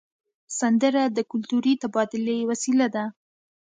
سندره د کلتوري تبادلې وسیله ده